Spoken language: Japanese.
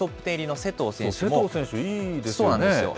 勢藤選手、いいですね。